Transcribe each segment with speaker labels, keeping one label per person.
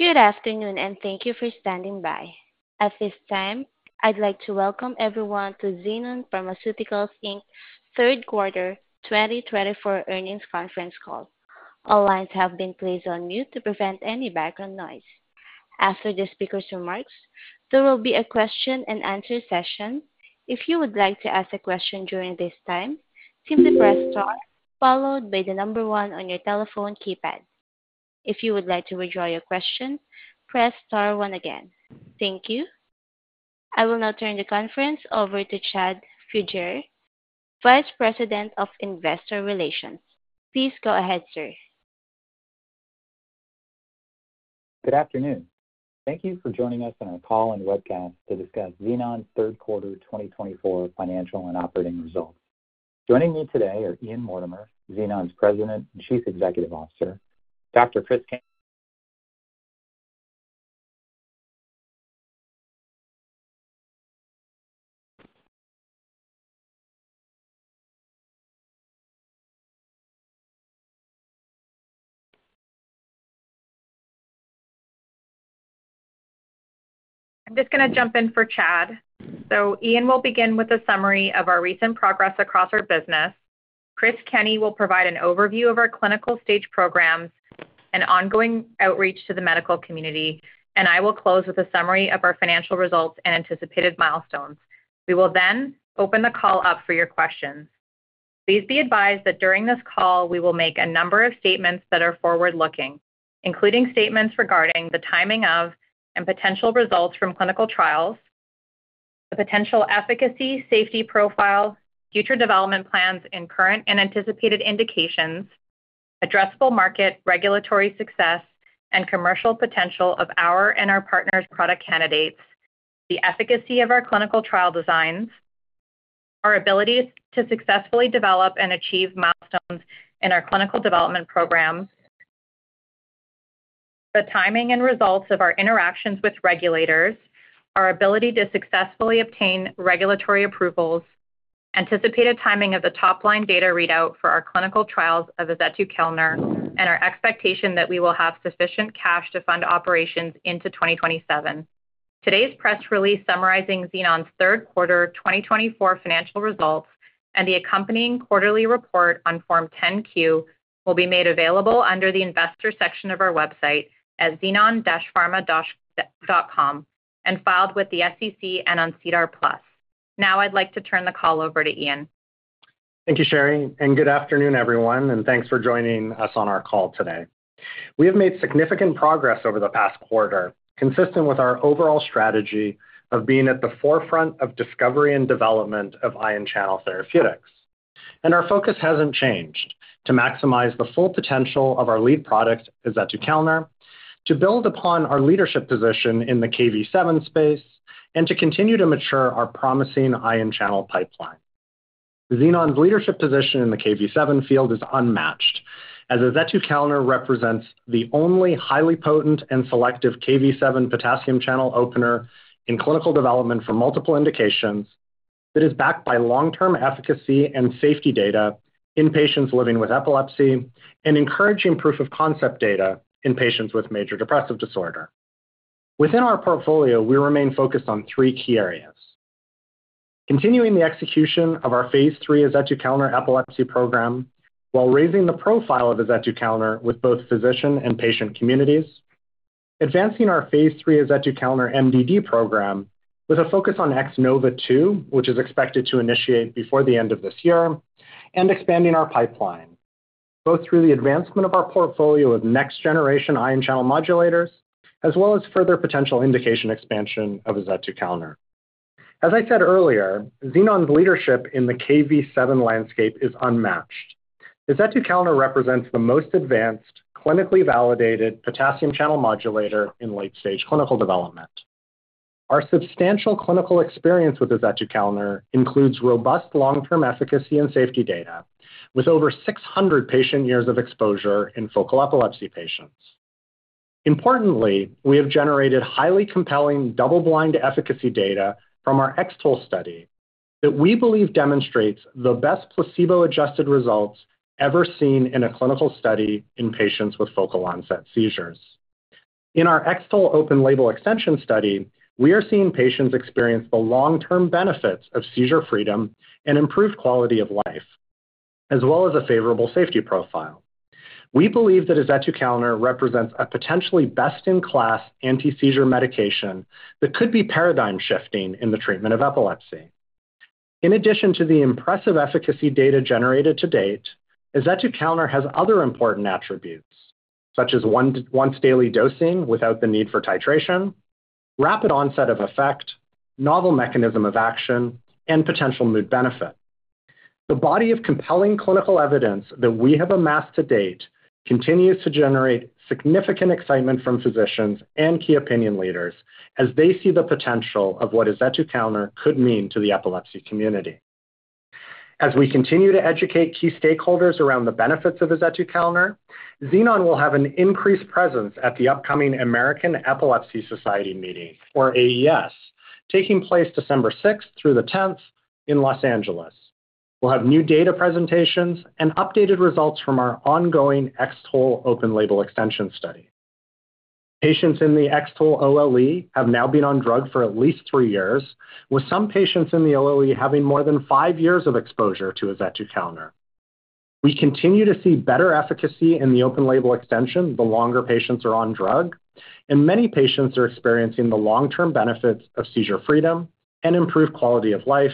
Speaker 1: Good afternoon, and thank you for standing by. At this time, I'd like to welcome everyone to Xenon Pharmaceuticals Inc.'s third quarter 2024 earnings conference call. All lines have been placed on mute to prevent any background noise. After the speaker's remarks, there will be a question-and-answer session. If you would like to ask a question during this time, simply press star, followed by the number one on your telephone keypad. If you would like to withdraw your question, press star one again. Thank you. I will now turn the conference over to Chad Fugere, Vice President of Investor Relations. Please go ahead, sir.
Speaker 2: Good afternoon. Thank you for joining us on our call and webcast to discuss Xenon's third quarter 2024 financial and operating results. Joining me today are Ian Mortimer, Xenon's President and Chief Executive Officer, Dr. Chris Kenney.
Speaker 3: I'm just going to jump in for Chad. So Ian will begin with a summary of our recent progress across our business. Chris Kenney will provide an overview of our clinical stage programs and ongoing outreach to the medical community, and I will close with a summary of our financial results and anticipated milestones. We will then open the call up for your questions. Please be advised that during this call, we will make a number of statements that are forward-looking, including statements regarding the timing of and potential results from clinical trials, the potential efficacy safety profile, future development plans and current and anticipated indications, addressable market regulatory success, and commercial potential of our and our partners' product candidates, the efficacy of our clinical trial designs, our ability to successfully develop and achieve milestones in our clinical development programs, the timing and results of our interactions with regulators, our ability to successfully obtain regulatory approvals, anticipated timing of the top-line data readout for our clinical trials of azetukalner, and our expectation that we will have sufficient cash to fund operations into 2027. Today's press release summarizing Xenon's third quarter 2024 financial results and the accompanying quarterly report on Form 10-Q will be made available under the Investor section of our website at xenon-pharma.com and filed with the SEC and on SEDAR+. Now I'd like to turn the call over to Ian.
Speaker 4: Thank you, Sherry, and good afternoon, everyone, and thanks for joining us on our call today. We have made significant progress over the past quarter, consistent with our overall strategy of being at the forefront of discovery and development of ion channel therapeutics, and our focus hasn't changed to maximize the full potential of our lead product, azetukalner, to build upon our leadership position in the Kv7 space, and to continue to mature our promising ion channel pipeline. Xenon's leadership position in the Kv7 field is unmatched, as azetukalner represents the only highly potent and selective Kv7 potassium channel opener in clinical development for multiple indications that is backed by long-term efficacy and safety data in patients living with epilepsy and encouraging proof of concept data in patients with major depressive disorder. Within our portfolio, we remain focused on three key areas: continuing the execution of our phase III azetukalner epilepsy program while raising the profile of azetukalner with both physician and patient communities, advancing our phase III azetukalner MDD program with a focus on X-NOVA II, which is expected to initiate before the end of this year, and expanding our pipeline both through the advancement of our portfolio of next-generation ion channel modulators, as well as further potential indication expansion of azetukalner. As I said earlier, Xenon's leadership in the Kv7 landscape is unmatched. Azetukalner represents the most advanced, clinically validated potassium channel modulator in late-stage clinical development. Our substantial clinical experience with azetukalner includes robust long-term efficacy and safety data with over 600 patient years of exposure in focal epilepsy patients. Importantly, we have generated highly compelling double-blind efficacy data from our X-TOLE study that we believe demonstrates the best placebo-adjusted results ever seen in a clinical study in patients with focal onset seizures. In our X-TOLE open-label extension study, we are seeing patients experience the long-term benefits of seizure freedom and improved quality of life, as well as a favorable safety profile. We believe that azetukalner represents a potentially best-in-class anti-seizure medication that could be paradigm-shifting in the treatment of epilepsy. In addition to the impressive efficacy data generated to date, azetukalner has other important attributes, such as once-daily dosing without the need for titration, rapid onset of effect, novel mechanism of action, and potential mood benefit. The body of compelling clinical evidence that we have amassed to date continues to generate significant excitement from physicians and key opinion leaders as they see the potential of what azetukalner could mean to the epilepsy community. As we continue to educate key stakeholders around the benefits of azetukalner, Xenon will have an increased presence at the upcoming American Epilepsy Society meeting, or AES, taking place December 6th through the 10th in Los Angeles. We'll have new data presentations and updated results from our ongoing X-TOLE open-label extension study. Patients in the X-TOLE OLE have now been on drug for at least three years, with some patients in the OLE having more than five years of exposure to azetukalner. We continue to see better efficacy in the open-label extension the longer patients are on drug, and many patients are experiencing the long-term benefits of seizure freedom and improved quality of life,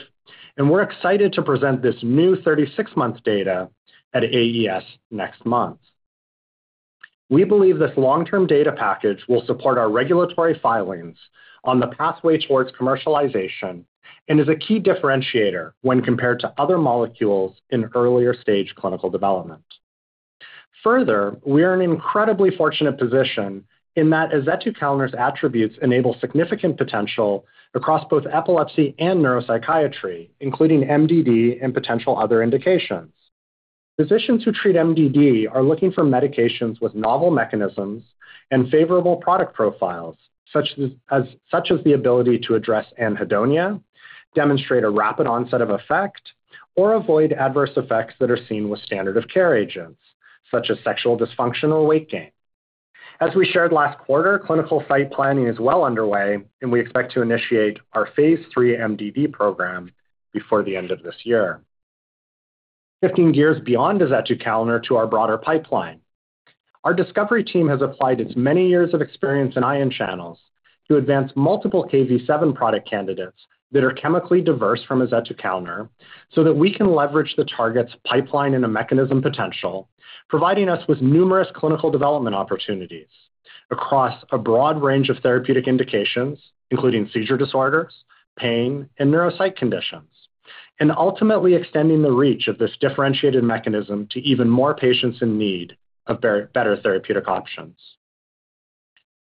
Speaker 4: and we're excited to present this new 36-month data at AES next month. We believe this long-term data package will support our regulatory filings on the pathway towards commercialization and is a key differentiator when compared to other molecules in earlier-stage clinical development. Further, we are in an incredibly fortunate position in that azetukalner's attributes enable significant potential across both epilepsy and neuropsychiatry, including MDD and potential other indications. Physicians who treat MDD are looking for medications with novel mechanisms and favorable product profiles, such as the ability to address anhedonia, demonstrate a rapid onset of effect, or avoid adverse effects that are seen with standard-of-care agents, such as sexual dysfunction or weight gain. As we shared last quarter, clinical site planning is well underway, and we expect to initiate our phase III MDD program before the end of this year. Shifting gears beyond azetukalner to our broader pipeline, our discovery team has applied its many years of experience in ion channels to advance multiple Kv7 product candidates that are chemically diverse from azetukalner so that we can leverage the target's pipeline and mechanism potential, providing us with numerous clinical development opportunities across a broad range of therapeutic indications, including seizure disorders, pain, and neuropsych conditions, and ultimately extending the reach of this differentiated mechanism to even more patients in need of better therapeutic options.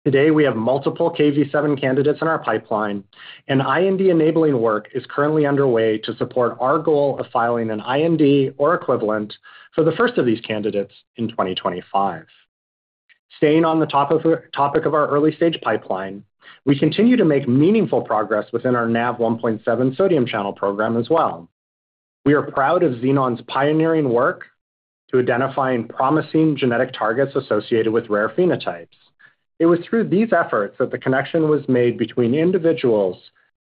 Speaker 4: Today, we have multiple Kv7 candidates in our pipeline, and IND-enabling work is currently underway to support our goal of filing an IND or equivalent for the first of these candidates in 2025. Staying on the topic of our early-stage pipeline, we continue to make meaningful progress within our Nav1.7 sodium channel program as well. We are proud of Xenon's pioneering work to identifying promising genetic targets associated with rare phenotypes. It was through these efforts that the connection was made between individuals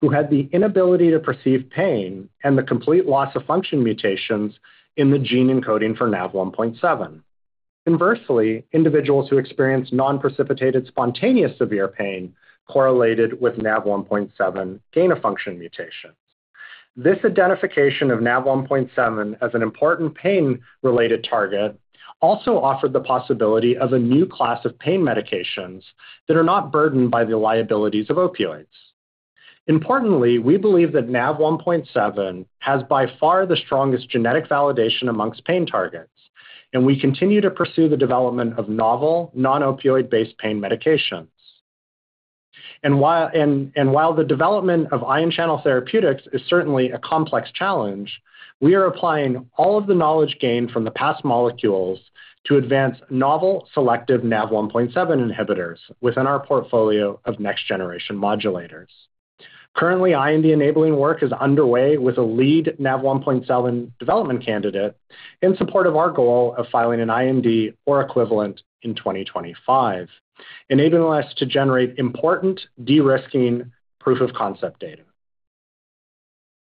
Speaker 4: who had the inability to perceive pain and the complete loss of function mutations in the gene encoding for Nav1.7. Conversely, individuals who experienced nonprecipitated spontaneous severe pain correlated with Nav1.7 gain-of-function mutations. This identification of Nav1.7 as an important pain-related target also offered the possibility of a new class of pain medications that are not burdened by the liabilities of opioids. Importantly, we believe that Nav1.7 has by far the strongest genetic validation amongst pain targets, and we continue to pursue the development of novel, non-opioid-based pain medications. While the development of ion channel therapeutics is certainly a complex challenge, we are applying all of the knowledge gained from the past molecules to advance novel selective Nav1.7 inhibitors within our portfolio of next-generation modulators. Currently, IND-enabling work is underway with a lead Nav1.7 development candidate in support of our goal of filing an IND or equivalent in 2025, enabling us to generate important de-risking proof of concept data.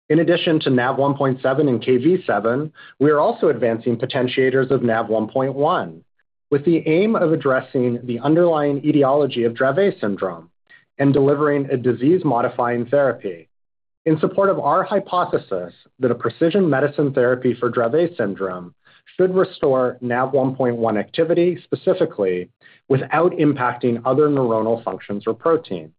Speaker 4: In addition to Nav1.7 and Kv7, we are also advancing potentiators of Nav1.1 with the aim of addressing the underlying etiology of Dravet syndrome and delivering a disease-modifying therapy in support of our hypothesis that a precision medicine therapy for Dravet syndrome should restore Nav1.1 activity specifically without impacting other neuronal functions or proteins.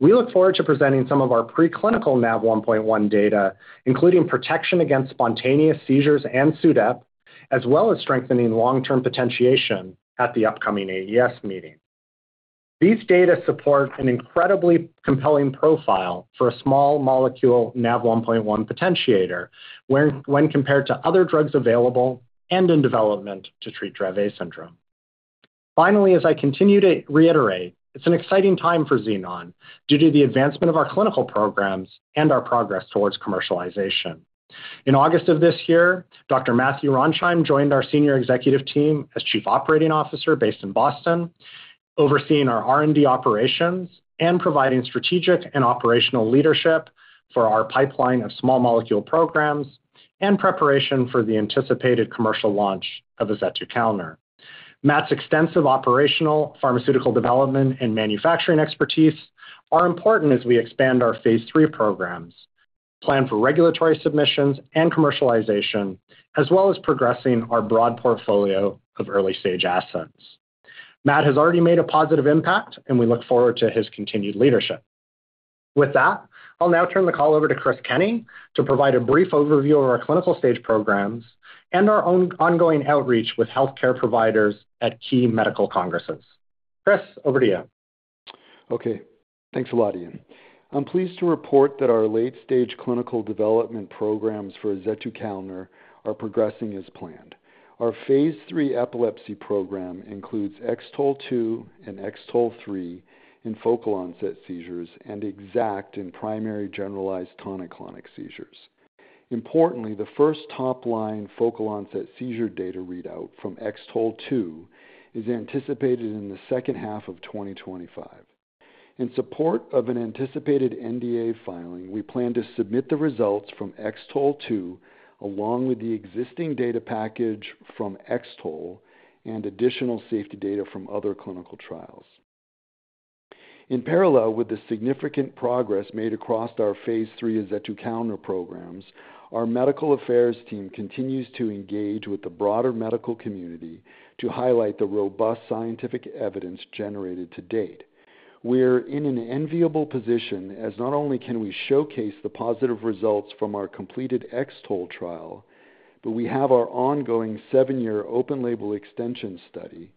Speaker 4: We look forward to presenting some of our preclinical Nav1.1 data, including protection against spontaneous seizures and SUDEP, as well as strengthening long-term potentiation at the upcoming AES meeting. These data support an incredibly compelling profile for a small molecule Nav1.1 potentiator when compared to other drugs available and in development to treat Dravet syndrome. Finally, as I continue to reiterate, it's an exciting time for Xenon due to the advancement of our clinical programs and our progress towards commercialization. In August of this year, Dr. Matthew Ronsheim joined our senior executive team as Chief Operating Officer based in Boston, overseeing our R&D operations and providing strategic and operational leadership for our pipeline of small molecule programs and preparation for the anticipated commercial launch of azetukalner. Matt's extensive operational, pharmaceutical development, and manufacturing expertise are important as we expand our phase III programs, plan for regulatory submissions and commercialization, as well as progressing our broad portfolio of early-stage assets. Matt has already made a positive impact, and we look forward to his continued leadership. With that, I'll now turn the call over to Chris Kenney to provide a brief overview of our clinical stage programs and our ongoing outreach with healthcare providers at key medical congresses. Chris, over to you.
Speaker 5: Okay. Thanks a lot, Ian. I'm pleased to report that our late-stage clinical development programs for azetukalner are progressing as planned. Our phase III epilepsy program includes X-TOLE2 and X-TOLE3 in focal onset seizures and X-ACKT in primary generalized tonic-clonic seizures. Importantly, the first top-line focal onset seizure data readout from X-TOLE2 is anticipated in the second half of 2025. In support of an anticipated NDA filing, we plan to submit the results from X-TOLE2 along with the existing data package from X-TOLE and additional safety data from other clinical trials. In parallel with the significant progress made across our phase III azetukalner programs, our medical affairs team continues to engage with the broader medical community to highlight the robust scientific evidence generated to date. We're in an enviable position as not only can we showcase the positive results from our completed X-TOLE trial, but we have our ongoing seven-year open-label extension study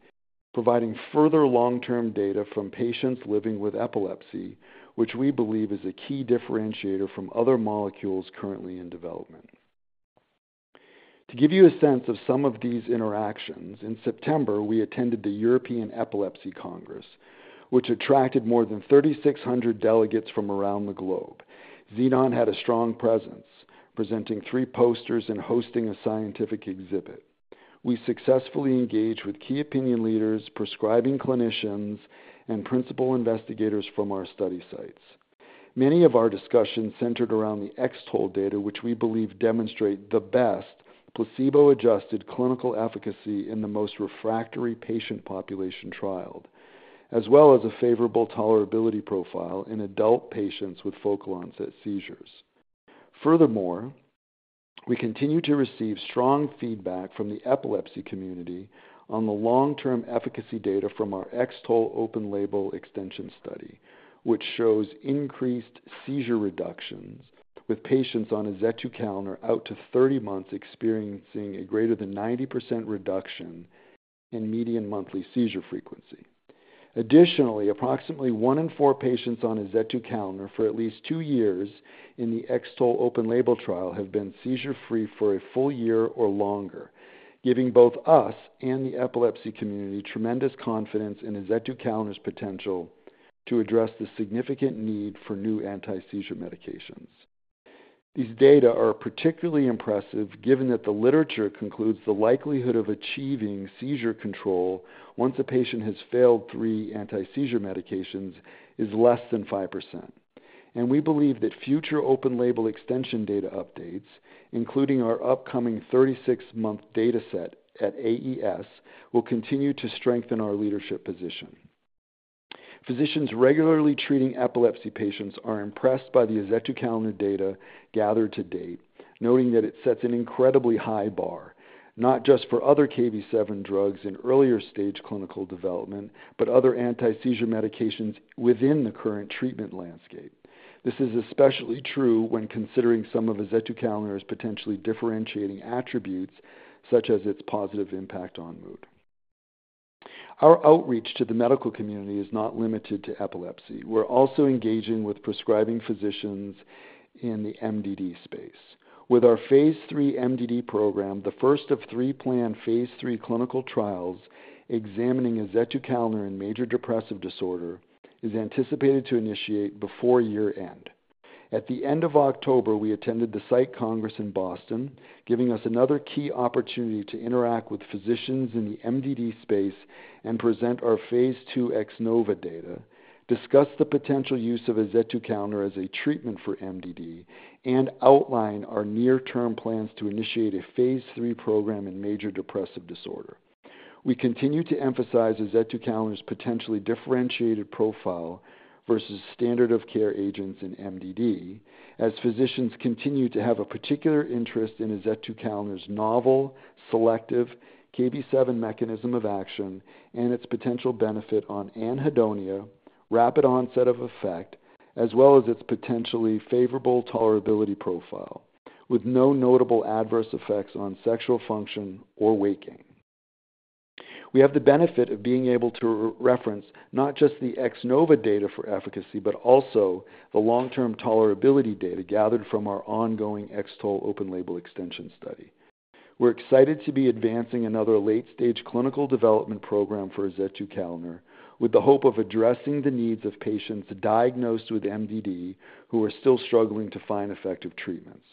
Speaker 5: providing further long-term data from patients living with epilepsy, which we believe is a key differentiator from other molecules currently in development. To give you a sense of some of these interactions, in September, we attended the European Epilepsy Congress, which attracted more than 3,600 delegates from around the globe. Xenon had a strong presence, presenting three posters and hosting a scientific exhibit. We successfully engaged with key opinion leaders, prescribing clinicians, and principal investigators from our study sites. Many of our discussions centered around the X-TOLE data, which we believe demonstrate the best placebo-adjusted clinical efficacy in the most refractory patient population trialed, as well as a favorable tolerability profile in adult patients with focal onset seizures. Furthermore, we continue to receive strong feedback from the epilepsy community on the long-term efficacy data from our X-TOLE open-label extension study, which shows increased seizure reductions with patients on azetukalner out to 30 months experiencing a greater than 90% reduction in median monthly seizure frequency. Additionally, approximately one in four patients on azetukalner for at least two years in the X-TOLE open-label trial have been seizure-free for a full year or longer, giving both us and the epilepsy community tremendous confidence in azetukalner's potential to address the significant need for new anti-seizure medications. These data are particularly impressive given that the literature concludes the likelihood of achieving seizure control once a patient has failed three anti-seizure medications is less than 5%. And we believe that future open-label extension data updates, including our upcoming 36-month data set at AES, will continue to strengthe`n our leadership position. Physicians regularly treating epilepsy patients are impressed by the azetukalner data gathered to date, noting that it sets an incredibly high bar, not just for other Kv7 drugs in earlier-stage clinical development, but other anti-seizure medications within the current treatment landscape. This is especially true when considering some of azetukalner's potentially differentiating attributes, such as its positive impact on mood. Our outreach to the medical community is not limited to epilepsy. We're also engaging with prescribing physicians in the MDD space. With our phase III MDD program, the first of three planned phase III clinical trials examining azetukalner and major depressive disorder is anticipated to initiate before year-end. At the end of October, we attended the Psych Congress in Boston, giving us another key opportunity to interact with physicians in the MDD space and present our phase II X-NOVA data, discuss the potential use of azetukalner as a treatment for MDD, and outline our near-term plans to initiate a phase III program in major depressive disorder. We continue to emphasize azetukalner's potentially differentiated profile versus standard-of-care agents in MDD, as physicians continue to have a particular interest in azetukalner's novel, selective Kv7 mechanism of action and its potential benefit on anhedonia, rapid onset of effect, as well as its potentially favorable tolerability profile, with no notable adverse effects on sexual function or weight gain. We have the benefit of being able to reference not just the X-NOVA data for efficacy, but also the long-term tolerability data gathered from our ongoing X-TOLE open-label extension study. We're excited to be advancing another late-stage clinical development program for azetukalner with the hope of addressing the needs of patients diagnosed with MDD who are still struggling to find effective treatments.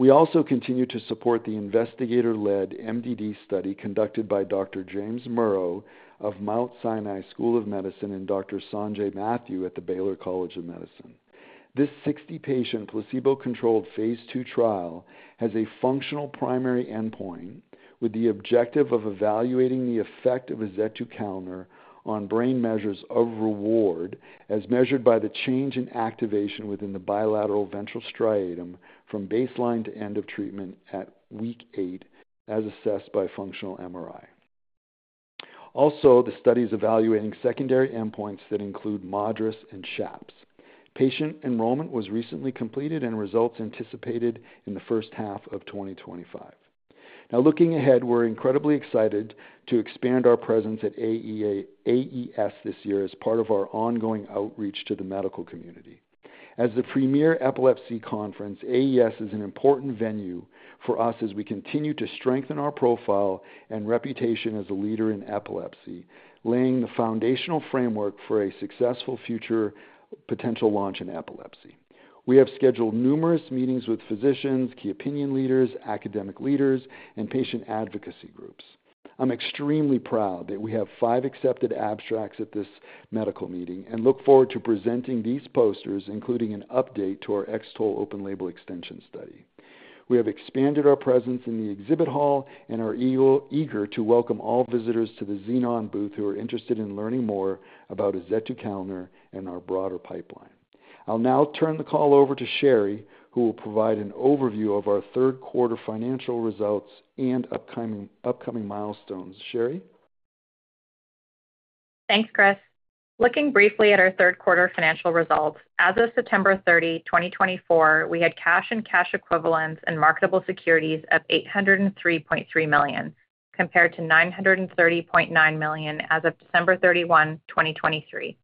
Speaker 5: We also continue to support the investigator-led MDD study conducted by Dr. James Murrough of Mount Sinai School of Medicine and Dr. Sanjay Mathew at the Baylor College of Medicine. This 60-patient placebo-controlled phase II trial has a functional primary endpoint with the objective of evaluating the effect of azetukalner on brain measures of reward as measured by the change in activation within the bilateral ventral striatum from baseline to end of treatment at week eight, as assessed by functional MRI. Also, the study is evaluating secondary endpoints that include MADRS and SHAPS. Patient enrollment was recently completed, and results anticipated in the first half of 2025. Now, looking ahead, we're incredibly excited to expand our presence at AES this year as part of our ongoing outreach to the medical community. As the premier epilepsy conference, AES is an important venue for us as we continue to strengthen our profile and reputation as a leader in epilepsy, laying the foundational framework for a successful future potential launch in epilepsy. We have scheduled numerous meetings with physicians, key opinion leaders, academic leaders, and patient advocacy groups. I'm extremely proud that we have five accepted abstracts at this medical meeting and look forward to presenting these posters, including an update to our X-TOLE open-label extension study. We have expanded our presence in the exhibit hall and are eager to welcome all visitors to the Xenon booth who are interested in learning more about azetukalner and our broader pipeline. I'll now turn the call over to Sherry, who will provide an overview of our third quarter financial results and upcoming milestones. Sherry?
Speaker 3: Thanks, Chris. Looking briefly at our third quarter financial results, as of September 30, 2024, we had cash and cash equivalents and marketable securities of $803.3 million compared to $930.9 million as of December 31, 2023.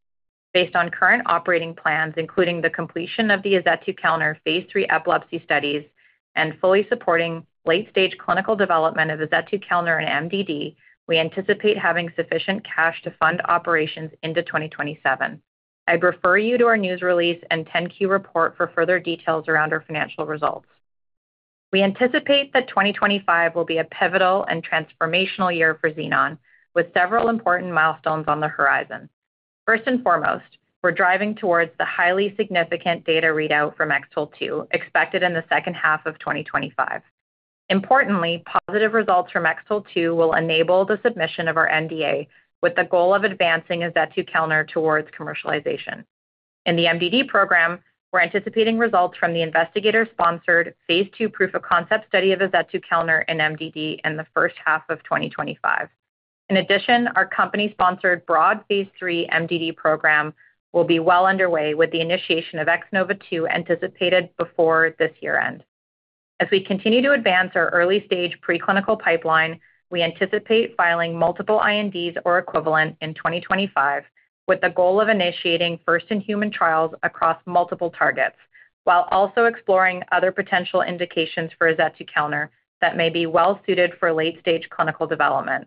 Speaker 3: Based on current operating plans, including the completion of the azetukalner phase III epilepsy studies and fully supporting late-stage clinical development of azetukalner and MDD, we anticipate having sufficient cash to fund operations into 2027. I'd refer you to our news release and 10-Q report for further details around our financial results. We anticipate that 2025 will be a pivotal and transformational year for Xenon, with several important milestones on the horizon. First and foremost, we're driving towards the highly significant data readout from X-TOLE2 expected in the second half of 2025. Importantly, positive results from X-TOLE2 will enable the submission of our NDA with the goal of advancing azetukalner towards commercialization. In the MDD program, we're anticipating results from the investigator-sponsored phase II proof of concept study of azetukalner and MDD in the first half of 2025. In addition, our company-sponsored broad phase III MDD program will be well underway, with the initiation of X-NOVA II anticipated before this year-end. As we continue to advance our early-stage preclinical pipeline, we anticipate filing multiple INDs or equivalent in 2025, with the goal of initiating first-in-human trials across multiple targets, while also exploring other potential indications for azetukalner that may be well-suited for late-stage clinical development.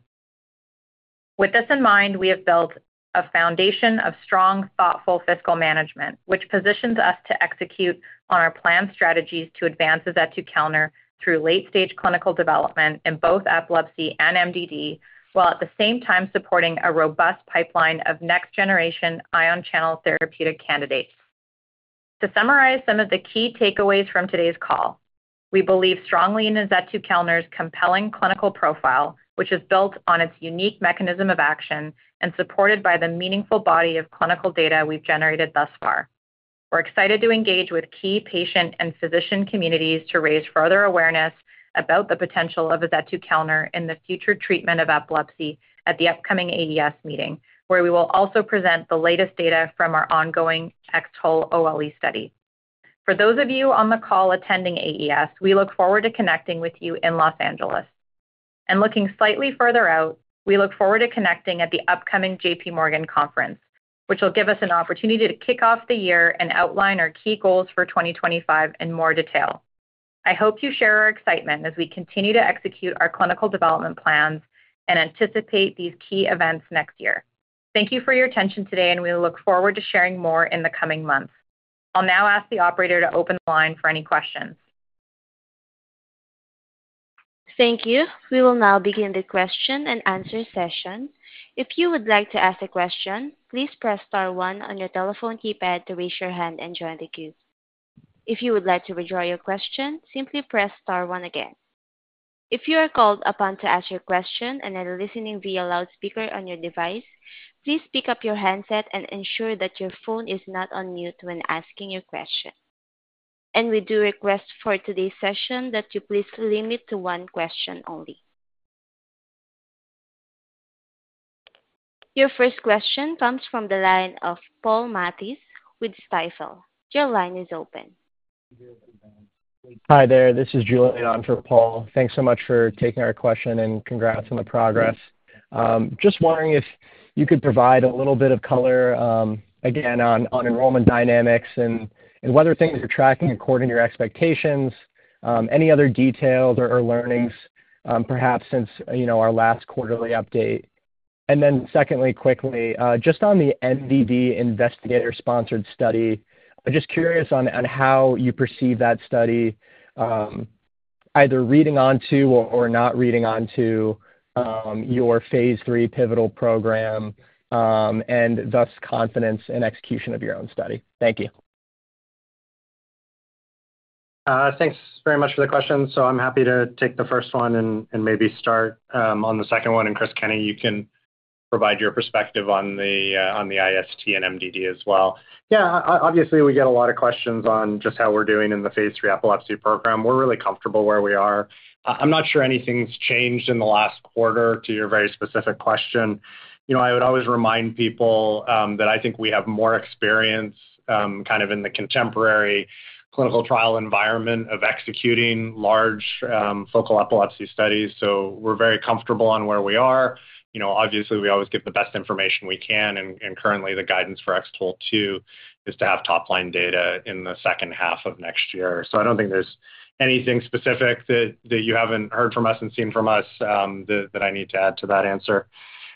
Speaker 3: With this in mind, we have built a foundation of strong, thoughtful fiscal management, which positions us to execute on our planned strategies to advance azetukalner through late-stage clinical development in both epilepsy and MDD, while at the same time supporting a robust pipeline of next-generation ion channel therapeutic candidates. To summarize some of the key takeaways from today's call, we believe strongly in azetukalner's compelling clinical profile, which is built on its unique mechanism of action and supported by the meaningful body of clinical data we've generated thus far. We're excited to engage with key patient and physician communities to raise further awareness about the potential of azetukalner in the future treatment of epilepsy at the upcoming AES meeting, where we will also present the latest data from our ongoing X-TOLE OLE study. For those of you on the call attending AES, we look forward to connecting with you in Los Angeles, and looking slightly further out, we look forward to connecting at the upcoming JPMorgan Conference, which will give us an opportunity to kick off the year and outline our key goals for 2025 in more detail. I hope you share our excitement as we continue to execute our clinical development plans and anticipate these key events next year. Thank you for your attention today, and we look forward to sharing more in the coming months. I'll now ask the operator to open the line for any questions.
Speaker 1: Thank you. We will now begin the question and answer session. If you would like to ask a question, please press star one on your telephone keypad to raise your hand and join the queue. If you would like to withdraw your question, simply press star one again. If you are called upon to ask your question and are listening via loudspeaker on your device, please pick up your handset and ensure that your phone is not on mute when asking your question. And we do request for today's session that you please limit to one question only. Your first question comes from the line of Paul Matteis with Stifel. Your line is open. Hi there. This is Julian Leon from Paul. Thanks so much for taking our question and congrats on the progress. Just wondering if you could provide a little bit of color again on enrollment dynamics and whether things are tracking according to your expectations, any other details or learnings, perhaps since our last quarterly update. And then secondly, quickly, just on the MDD investigator-sponsored study, I'm just curious on how you perceive that study, either reading onto or not reading onto your phase III pivotal program and thus confidence in execution of your own study. Thank you.
Speaker 4: Thanks very much for the question. So I'm happy to take the first one and maybe start on the second one. And Chris Kenney, you can provide your perspective on the IST and MDD as well. Yeah, obviously, we get a lot of questions on just how we're doing in the phase III epilepsy program. We're really comfortable where we are. I'm not sure anything's changed in the last quarter to your very specific question. I would always remind people that I think we have more experience kind of in the contemporary clinical trial environment of executing large focal epilepsy studies. So we're very comfortable on where we are. Obviously, we always get the best information we can. And currently, the guidance for X-TOLE2 is to have top-line data in the second half of next year. So I don't think there's anything specific that you haven't heard from us and seen from us that I need to add to that answer.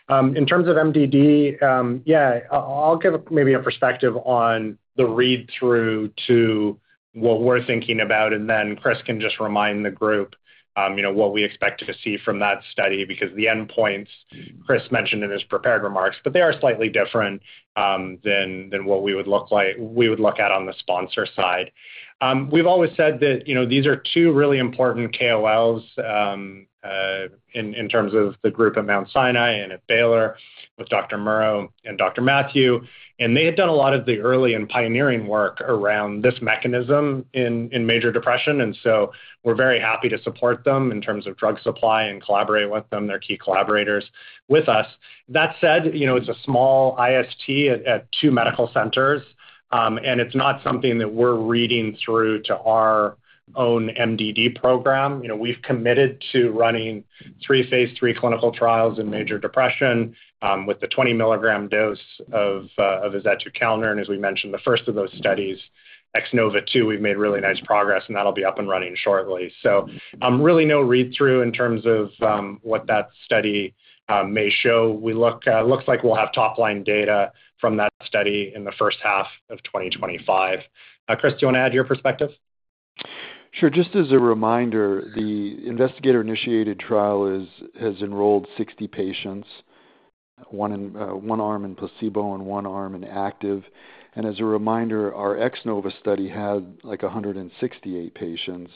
Speaker 4: In terms of MDD, yeah, I'll give maybe a perspective on the read-through to what we're thinking about. And then Chris can just remind the group what we expect to see from that study because the endpoints Chris mentioned in his prepared remarks, but they are slightly different than what we would look at on the sponsor side. We've always said that these are two really important KOLs in terms of the group at Mount Sinai and at Baylor, with Dr. Murrough and Dr. Mathew. And they had done a lot of the early and pioneering work around this mechanism in major depression. And so we're very happy to support them in terms of drug supply and collaborate with them. They're key collaborators with us. That said, it's a small IST at two medical centers, and it's not something that we're reading through to our own MDD program. We've committed to running three phase III clinical trials in major depression with the 20-milligram dose of azetukalner. And as we mentioned, the first of those studies, X-NOVA II, we've made really nice progress, and that'll be up and running shortly. So really no read-through in terms of what that study may show. It looks like we'll have top-line data from that study in the first half of 2025. Chris, do you want to add your perspective?
Speaker 5: Sure. Just as a reminder, the investigator-initiated trial has enrolled 60 patients, one arm in placebo and one arm in active. And as a reminder, our X-NOVA study had like 168 patients.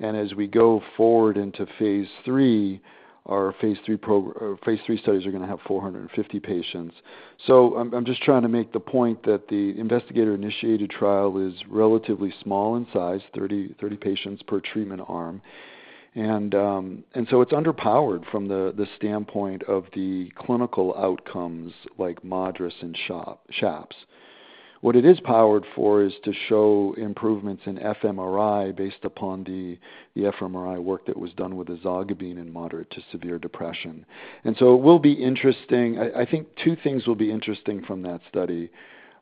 Speaker 5: And as we go forward into phase III, our phase III studies are going to have 450 patients. So I'm just trying to make the point that the investigator-initiated trial is relatively small in size, 30 patients per treatment arm. And so it's underpowered from the standpoint of the clinical outcomes like MADRS and SHAPS. What it is powered for is to show improvements in fMRI based upon the fMRI work that was done with ezogabine in moderate to severe depression. And so it will be interesting. I think two things will be interesting from that study.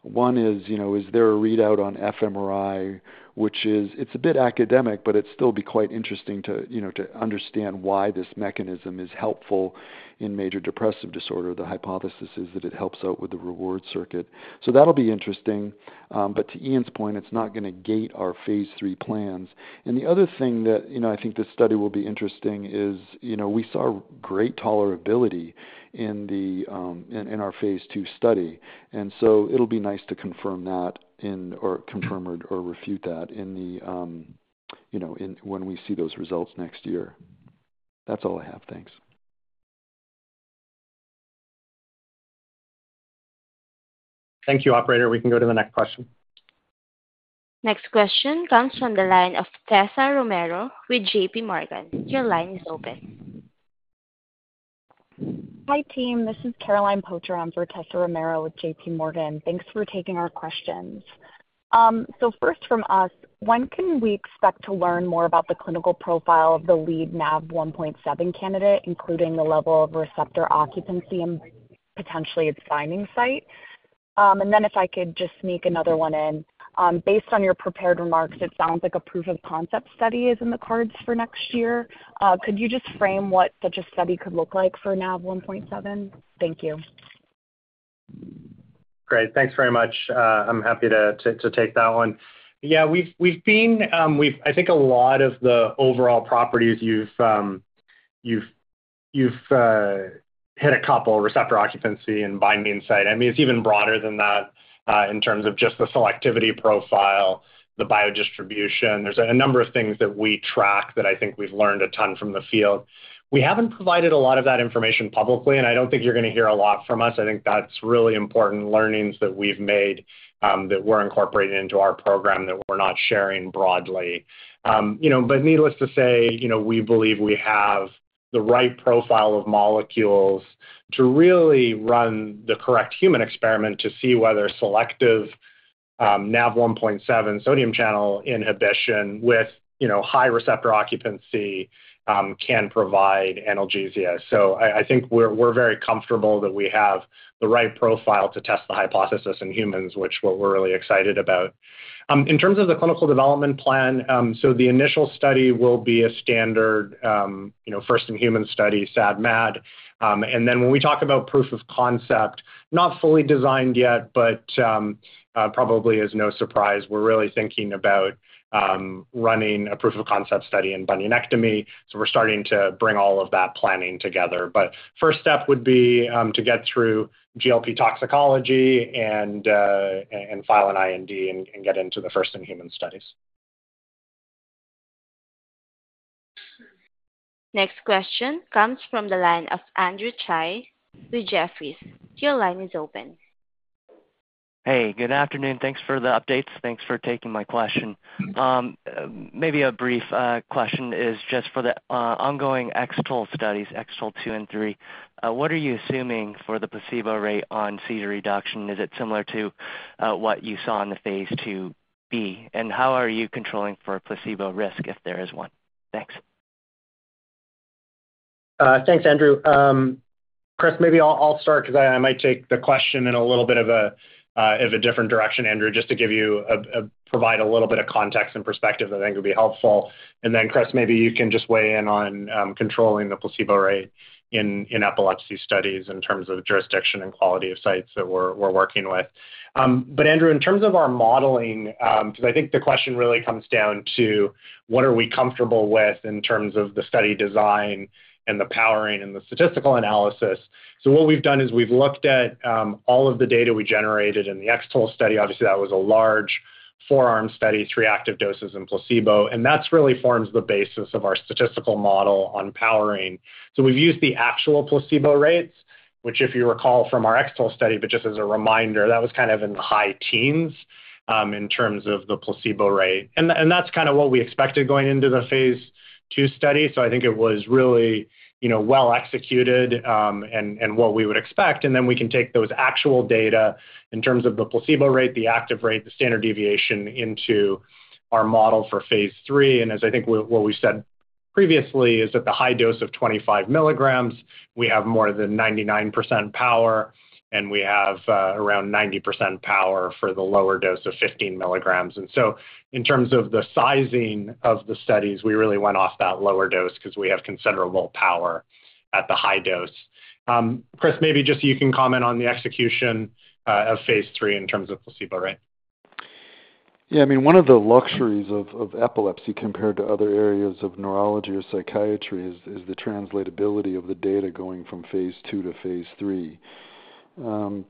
Speaker 5: One is, is there a readout on fMRI, which is, it's a bit academic, but it'd still be quite interesting to understand why this mechanism is helpful in major depressive disorder. The hypothesis is that it helps out with the reward circuit. So that'll be interesting. But to Ian's point, it's not going to gate our phase III plans. And the other thing that I think this study will be interesting is we saw great tolerability in our phase II study. And so it'll be nice to confirm that or confirm or refute that when we see those results next year. That's all I have. Thanks.
Speaker 4: Thank you, operator. We can go to the next question.
Speaker 1: Next question comes from the line of Tessa Romero with JPMorgan. Your line is open. Hi team. This is Caroline Pocher for Tessa Romero with JPMorgan. Thanks for taking our questions. So first from us, when can we expect to learn more about the clinical profile of the lead Nav1.7 candidate, including the level of receptor occupancy and potentially its binding site? And then if I could just sneak another one in. Based on your prepared remarks, it sounds like a proof of concept study is in the cards for next year. Could you just frame what such a study could look like for Nav1.7? Thank you.
Speaker 4: Great. Thanks very much. I'm happy to take that one. Yeah, we've been, I think, a lot of the overall properties. You've hit a couple: receptor occupancy and binding site. I mean, it's even broader than that in terms of just the selectivity profile, the biodistribution. There's a number of things that we track that I think we've learned a ton from the field. We haven't provided a lot of that information publicly, and I don't think you're going to hear a lot from us. I think that's really important learnings that we've made that we're incorporating into our program that we're not sharing broadly. But needless to say, we believe we have the right profile of molecules to really run the correct human experiment to see whether selective Nav1.7 sodium channel inhibition with high receptor occupancy can provide analgesia. I think we're very comfortable that we have the right profile to test the hypothesis in humans, which we're really excited about. In terms of the clinical development plan, the initial study will be a standard first-in-human study, SAD-MAD. Then when we talk about proof of concept, not fully designed yet, but probably as no surprise, we're really thinking about running a proof of concept study in bunionectomy. We're starting to bring all of that planning together. First step would be to get through GLP toxicology and file an IND and get into the first-in-human studies.
Speaker 1: Next question comes from the line of Andrew Tsai with Jefferies. Your line is open.
Speaker 6: Hey, good afternoon. Thanks for the updates. Thanks for taking my question. Maybe a brief question is just for the ongoing X-TOLE studies, X-TOLE2 and 3. What are you assuming for the placebo rate on seizure reduction? Is it similar to what you saw in the phase IIb? And how are you controlling for placebo risk if there is one? Thanks.
Speaker 4: Thanks, Andrew. Chris, maybe I'll start because I might take the question in a little bit of a different direction, Andrew, just to provide a little bit of context and perspective that I think would be helpful. Then, Chris, maybe you can just weigh in on controlling the placebo rate in epilepsy studies in terms of jurisdiction and quality of sites that we're working with. Andrew, in terms of our modeling, because I think the question really comes down to what are we comfortable with in terms of the study design and the powering and the statistical analysis. What we've done is we've looked at all of the data we generated in the X-TOLE study. Obviously, that was a large four-arm study, three active doses and placebo. That really forms the basis of our statistical model on powering. So we've used the actual placebo rates, which if you recall from our X-TOLE study, but just as a reminder, that was kind of in the high teens in terms of the placebo rate, and that's kind of what we expected going into the phase II study, so I think it was really well executed and what we would expect. Then we can take those actual data in terms of the placebo rate, the active rate, the standard deviation into our model for phase III, and as I think what we've said previously is that the high dose of 25 milligrams, we have more than 99% power, and we have around 90% power for the lower dose of 15 milligrams. In terms of the sizing of the studies, we really went off that lower dose because we have considerable power at the high dose. Chris, maybe just you can comment on the execution of phase III in terms of placebo rate.
Speaker 5: Yeah, I mean, one of the luxuries of epilepsy compared to other areas of neurology or psychiatry is the translatability of the data going from phase II to phase III.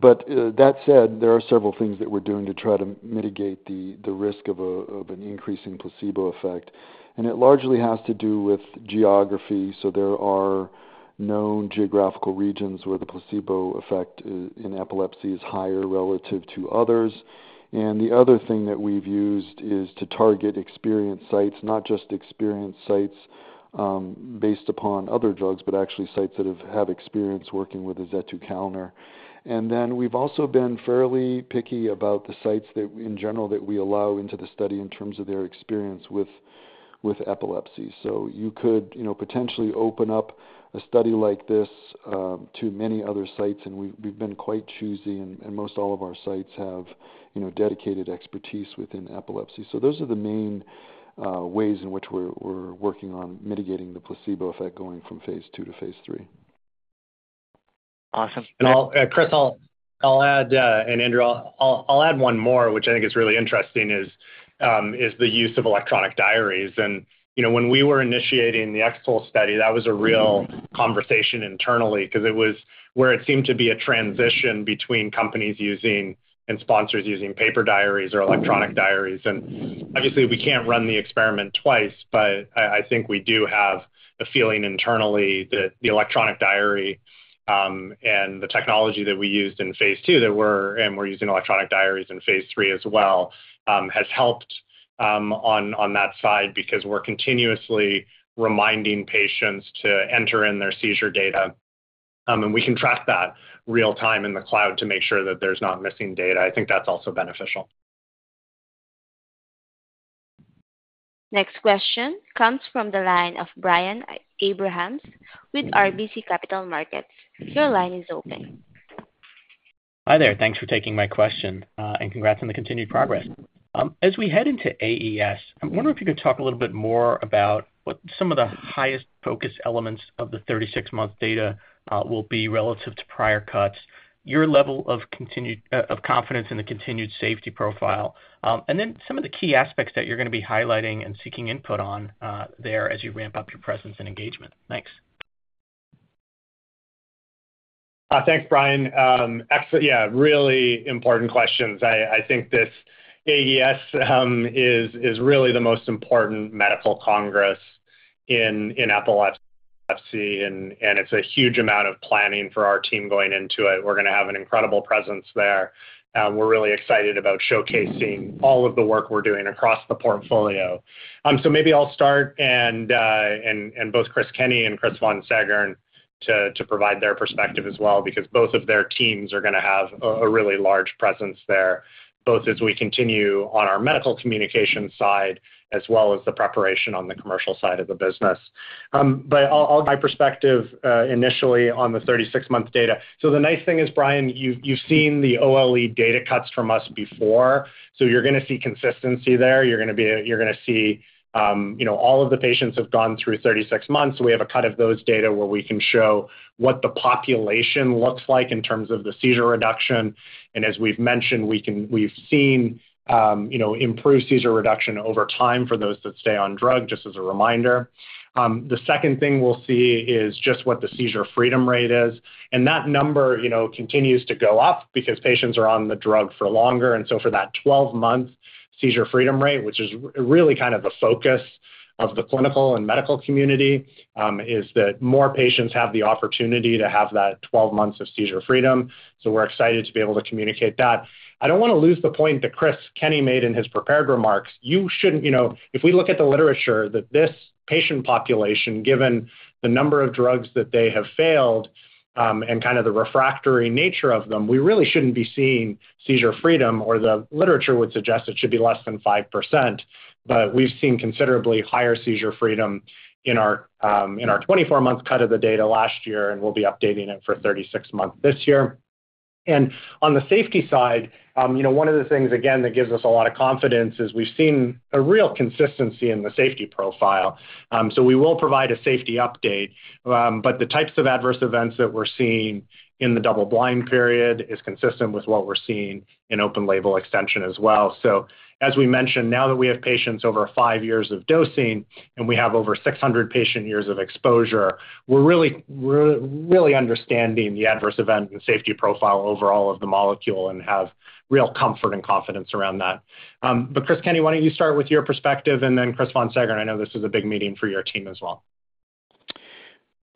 Speaker 5: But that said, there are several things that we're doing to try to mitigate the risk of an increasing placebo effect. And it largely has to do with geography. So there are known geographical regions where the placebo effect in epilepsy is higher relative to others. And the other thing that we've used is to target experienced sites, not just experienced sites based upon other drugs, but actually sites that have experience working with azetukalner. And then we've also been fairly picky about the sites in general that we allow into the study in terms of their experience with epilepsy. So you could potentially open up a study like this to many other sites. We've been quite choosy, and most all of our sites have dedicated expertise within epilepsy. Those are the main ways in which we're working on mitigating the placebo effect going from phase II to phase III.
Speaker 6: Awesome.
Speaker 4: Chris, I'll add, and Andrew, I'll add one more, which I think is really interesting, is the use of electronic diaries. When we were initiating the X-TOLE study, that was a real conversation internally because it was where it seemed to be a transition between companies using and sponsors using paper diaries or electronic diaries. Obviously, we can't run the experiment twice, but I think we do have a feeling internally that the electronic diary and the technology that we used in phase II, and we're using electronic diaries in phase III as well, has helped on that side because we're continuously reminding patients to enter in their seizure data. We can track that real-time in the cloud to make sure that there's not missing data. I think that's also beneficial.
Speaker 1: Next question comes from the line of Brian Abrahams with RBC Capital Markets. Your line is open.
Speaker 7: Hi there. Thanks for taking my question and congrats on the continued progress. As we head into AES, I'm wondering if you could talk a little bit more about what some of the highest focus elements of the 36-month data will be relative to prior cuts, your level of confidence in the continued safety profile, and then some of the key aspects that you're going to be highlighting and seeking input on there as you ramp up your presence and engagement? Thanks.
Speaker 4: Thanks, Brian. Yeah, really important questions. I think this AES is really the most important medical congress in epilepsy, and it's a huge amount of planning for our team going into it. We're going to have an incredible presence there. We're really excited about showcasing all of the work we're doing across the portfolio. So maybe I'll start, and both Chris Kenney and Chris Von Seggern to provide their perspective as well because both of their teams are going to have a really large presence there, both as we continue on our medical communication side as well as the preparation on the commercial side of the business. But I'll give my perspective initially on the 36-month data. So the nice thing is, Brian, you've seen the OLE data cuts from us before. So you're going to see consistency there. You're going to see all of the patients have gone through 36 months. We have a cut of those data where we can show what the population looks like in terms of the seizure reduction, and as we've mentioned, we've seen improved seizure reduction over time for those that stay on drug, just as a reminder. The second thing we'll see is just what the seizure freedom rate is, and that number continues to go up because patients are on the drug for longer. And so for that 12-month seizure freedom rate, which is really kind of the focus of the clinical and medical community, is that more patients have the opportunity to have that 12 months of seizure freedom. So we're excited to be able to communicate that. I don't want to lose the point that Chris Kenney made in his prepared remarks. If we look at the literature, that this patient population, given the number of drugs that they have failed and kind of the refractory nature of them, we really shouldn't be seeing seizure freedom, or the literature would suggest it should be less than 5%. But we've seen considerably higher seizure freedom in our 24-month cut of the data last year, and we'll be updating it for 36 months this year. And on the safety side, one of the things, again, that gives us a lot of confidence is we've seen a real consistency in the safety profile. So we will provide a safety update. But the types of adverse events that we're seeing in the double-blind period is consistent with what we're seeing in open-label extension as well. So as we mentioned, now that we have patients over five years of dosing and we have over 600 patient years of exposure, we're really understanding the adverse event and safety profile overall of the molecule and have real comfort and confidence around that. But Chris Kenney, why don't you start with your perspective? And then Chris Von Seggern, I know this is a big meeting for your team as well.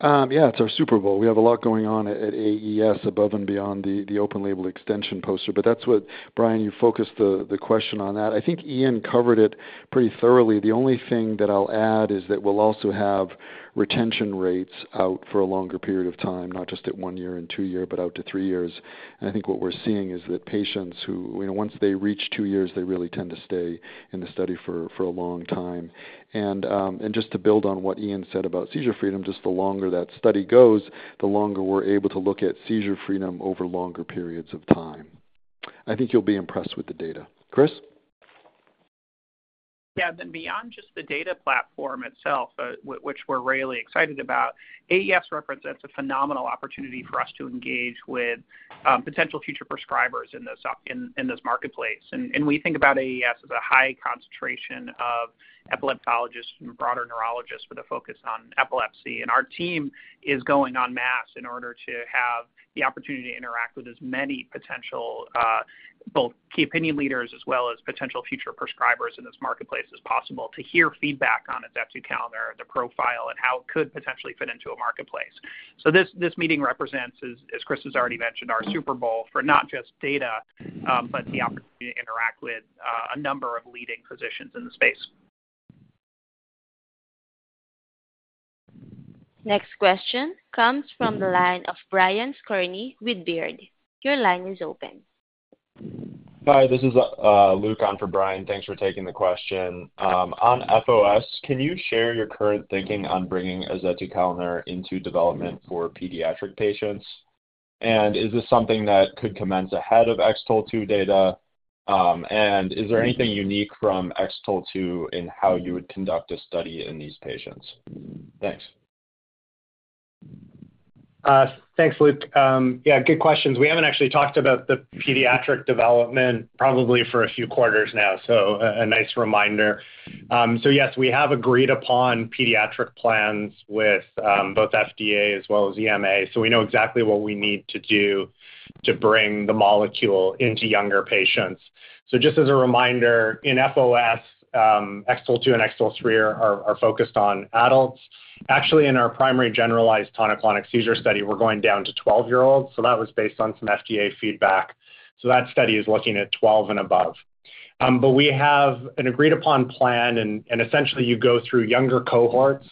Speaker 5: Yeah, it's our Super Bowl. We have a lot going on at AES above and beyond the open-label extension poster. But that's what, Brian, you focused the question on that. I think Ian covered it pretty thoroughly. The only thing that I'll add is that we'll also have retention rates out for a longer period of time, not just at one year and two years, but out to three years. And I think what we're seeing is that patients who, once they reach two years, they really tend to stay in the study for a long time. And just to build on what Ian said about seizure freedom, just the longer that study goes, the longer we're able to look at seizure freedom over longer periods of time. I think you'll be impressed with the data. Chris?
Speaker 8: Yeah, then beyond just the data platform itself, which we're really excited about, AES represents a phenomenal opportunity for us to engage with potential future prescribers in this marketplace. And we think about AES as a high concentration of epileptologists and broader neurologists with a focus on epilepsy. And our team is going en masse in order to have the opportunity to interact with as many potential both key opinion leaders as well as potential future prescribers in this marketplace as possible to hear feedback on azetukalner, the profile, and how it could potentially fit into a marketplace. So this meeting represents, as Chris has already mentioned, our Super Bowl for not just data, but the opportunity to interact with a number of leading physicians in the space.
Speaker 1: Next question comes from the line of Brian Skorney with Baird. Your line is open. Hi, this is Luke on for Brian. Thanks for taking the question. On FOS, can you share your current thinking on bringing azetukalner into development for pediatric patients? And is this something that could commence ahead of X-TOLE2 data? And is there anything unique from X-TOLE2 in how you would conduct a study in these patients? Thanks.
Speaker 4: Thanks, Luke. Yeah, good questions. We haven't actually talked about the pediatric development probably for a few quarters now, so a nice reminder. So yes, we have agreed upon pediatric plans with both FDA as well as EMA. So we know exactly what we need to do to bring the molecule into younger patients. So just as a reminder, in FOS, X-TOLE2 and X-TOLE3 are focused on adults. Actually, in our primary generalized tonic-clonic seizure study, we're going down to 12-year-olds. So that was based on some FDA feedback. So that study is looking at 12 and above. But we have an agreed-upon plan, and essentially, you go through younger cohorts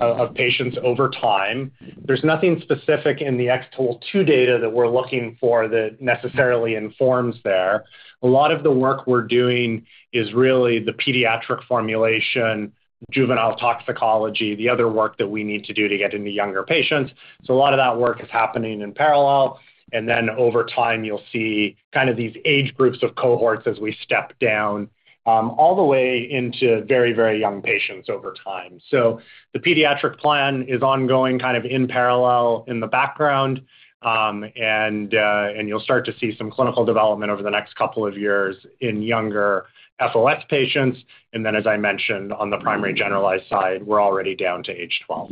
Speaker 4: of patients over time. There's nothing specific in the X-TOLE2 data that we're looking for that necessarily informs there. A lot of the work we're doing is really the pediatric formulation, juvenile toxicology, the other work that we need to do to get into younger patients. So a lot of that work is happening in parallel. And then over time, you'll see kind of these age groups of cohorts as we step down all the way into very, very young patients over time. So the pediatric plan is ongoing kind of in parallel in the background. And you'll start to see some clinical development over the next couple of years in younger FOS patients. And then, as I mentioned, on the primary generalized side, we're already down to age 12.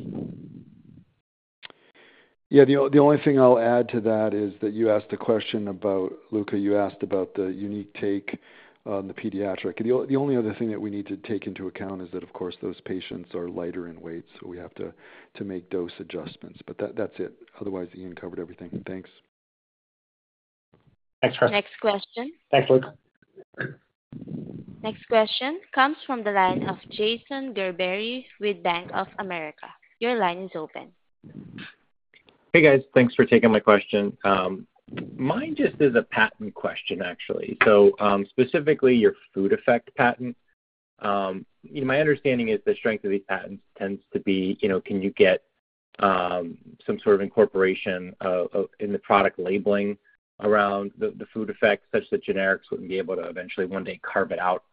Speaker 5: Yeah, the only thing I'll add to that is that you asked a question about, Luke, you asked about the unique take on the pediatric. The only other thing that we need to take into account is that, of course, those patients are lighter in weight, so we have to make dose adjustments. But that's it. Otherwise, Ian covered everything. Thanks.
Speaker 4: Next question.
Speaker 1: Next question.
Speaker 4: Thanks, Luke.
Speaker 1: Next question comes from the line of Jason Gerberry with Bank of America. Your line is open.
Speaker 9: Hey, guys. Thanks for taking my question. Mine just is a patent question, actually. So specifically, your food effect patent. My understanding is the strength of these patents tends to be, can you get some sort of incorporation in the product labeling around the food effects such that generics wouldn't be able to eventually one day carve it out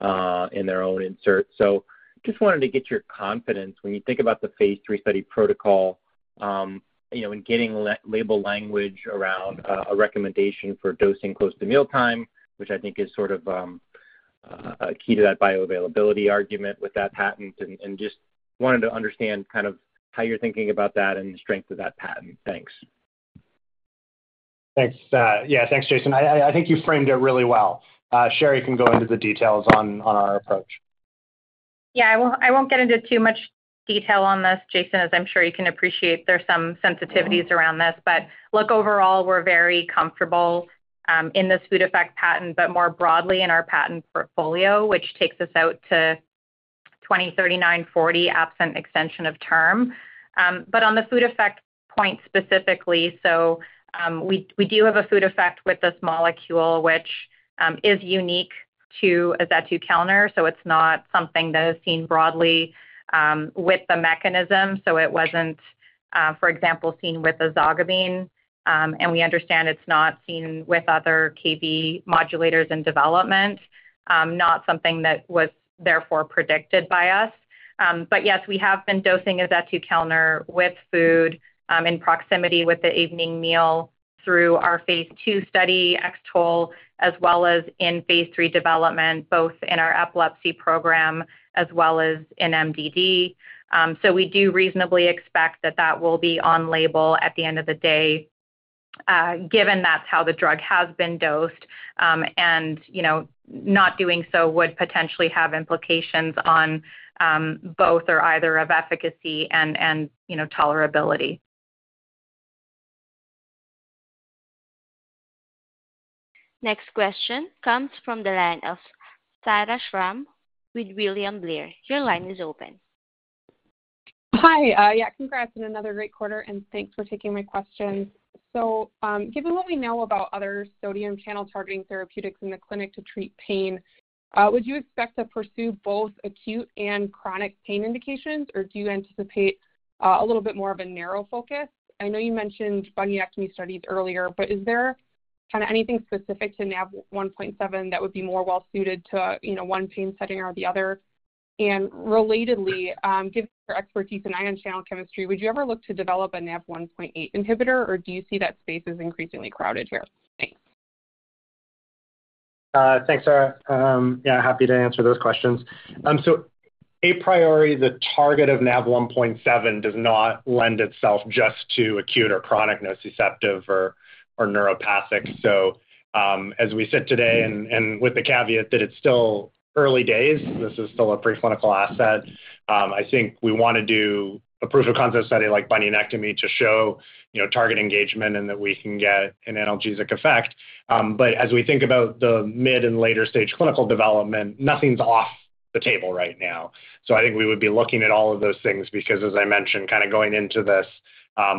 Speaker 9: in their own insert. So just wanted to get your confidence when you think about the phase III study protocol and getting label language around a recommendation for dosing close to mealtime, which I think is sort of key to that bioavailability argument with that patent. And just wanted to understand kind of how you're thinking about that and the strength of that patent. Thanks.
Speaker 4: Thanks. Yeah, thanks, Jason. I think you framed it really well. Sherry can go into the details on our approach.
Speaker 3: Yeah, I won't get into too much detail on this, Jason, as I'm sure you can appreciate there's some sensitivities around this. But look, overall, we're very comfortable in this food effect patent, but more broadly in our patent portfolio, which takes us out to 2039, 2040 absent extension of term. But on the food effect point specifically, so we do have a food effect with this molecule, which is unique to azetukalner. So it's not something that is seen broadly with the mechanism. So it wasn't, for example, seen with ezogabine. And we understand it's not seen with other Kv modulators in development, not something that was therefore predicted by us. But yes, we have been dosing azetukalner with food in proximity with the evening meal through our phase II study, X-TOLE, as well as in phase III development, both in our epilepsy program as well as in MDD. So we do reasonably expect that that will be on label at the end of the day, given that's how the drug has been dosed. And not doing so would potentially have implications on both or either of efficacy and tolerability.
Speaker 1: Next question comes from the line of Sarah Schram with William Blair. Your line is open.
Speaker 10: Hi. Yeah, congrats on another great quarter, and thanks for taking my questions. So given what we know about other sodium channel targeting therapeutics in the clinic to treat pain, would you expect to pursue both acute and chronic pain indications, or do you anticipate a little bit more of a narrow focus? I know you mentioned bunionectomy studies earlier, but is there kind of anything specific to Nav1.7 that would be more well-suited to one pain setting or the other? And relatedly, given your expertise in ion channel chemistry, would you ever look to develop a Nav1.8 inhibitor, or do you see that space is increasingly crowded here? Thanks.
Speaker 4: Thanks, Sarah. Yeah, happy to answer those questions. So a priori, the target of Nav1.7 does not lend itself just to acute or chronic nociceptive or neuropathic. So as we sit today and with the caveat that it's still early days, this is still a preclinical asset. I think we want to do a proof of concept study like bunionectomy to show target engagement and that we can get an analgesic effect. But as we think about the mid and later stage clinical development, nothing's off the table right now. So I think we would be looking at all of those things because, as I mentioned, kind of going into this,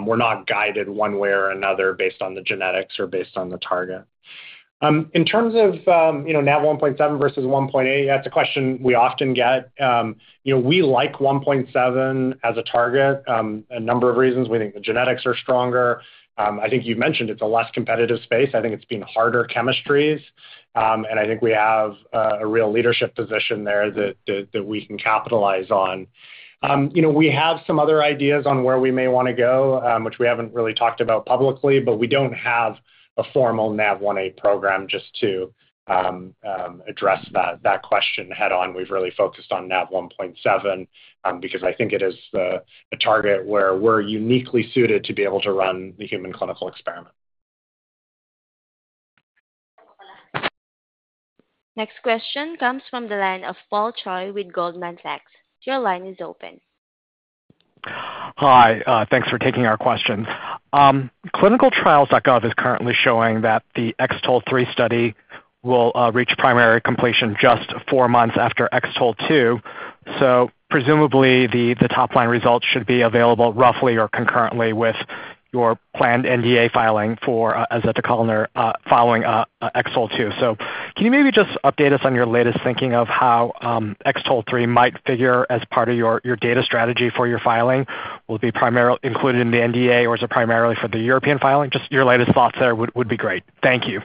Speaker 4: we're not guided one way or another based on the genetics or based on the target. In terms of Nav1.7 versus 1.8, that's a question we often get. We like 1.7 as a target for a number of reasons. We think the genetics are stronger. I think you've mentioned it's a less competitive space. I think it's been harder chemistries. And I think we have a real leadership position there that we can capitalize on. We have some other ideas on where we may want to go, which we haven't really talked about publicly, but we don't have a formal Nav1.8 program just to address that question head-on. We've really focused on Nav1.7 because I think it is a target where we're uniquely suited to be able to run the human clinical experiment.
Speaker 1: Next question comes from the line of Paul Choi with Goldman Sachs. Your line is open.
Speaker 11: Hi. Thanks for taking our questions. ClinicalTrials.gov is currently showing that the X-TOLE3 study will reach primary completion just four months after X-TOLE2. So presumably, the top-line results should be available roughly or concurrently with your planned NDA filing for azetukalner following X-TOLE2. So can you maybe just update us on your latest thinking of how X-TOLE3 might figure as part of your data strategy for your filing? Will it be included in the NDA, or is it primarily for the European filing? Just your latest thoughts there would be great. Thank you.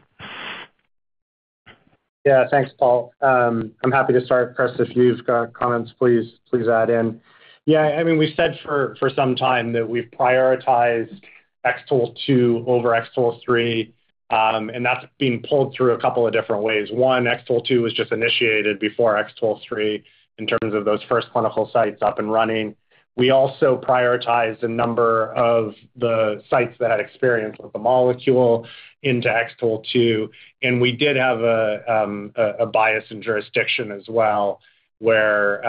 Speaker 4: Yeah, thanks, Paul. I'm happy to start. Chris, if you've got comments, please add in. Yeah, I mean, we've said for some time that we've prioritized X-TOLE2 over X-TOLE3, and that's been pulled through a couple of different ways. One, X-TOLE2 was just initiated before X-TOLE3 in terms of those first clinical sites up and running. We also prioritized a number of the sites that had experience with the molecule into X-TOLE2. And we did have a bias in jurisdiction as well where